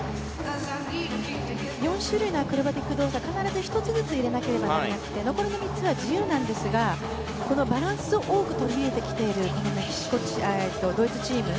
４種類のアクロバティック動作を必ず１つずつ入れなければならなくて残りの３つが自由なんですがバランスを多く取り入れてきているドイツチーム